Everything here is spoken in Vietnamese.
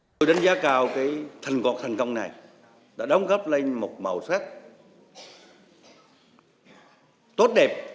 thủ tướng đánh giá cao thành công này đã đóng góp lên một màu sắc tốt đẹp